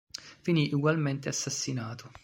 Finì ugualmente assassinato.